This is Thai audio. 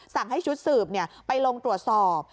สั่งให้ชุดสืบไปลงตรวจสอบ